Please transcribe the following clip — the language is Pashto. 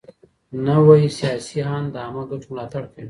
نوی سياسي آند د عامه ګټو ملاتړ کوي.